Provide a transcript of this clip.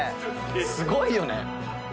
すごいよね。